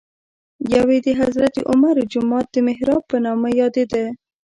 یو یې د حضرت عمر جومات د محراب په نامه یادېده.